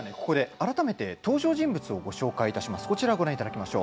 改めて登場人物をご紹介します。